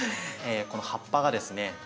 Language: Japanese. この葉っぱがですね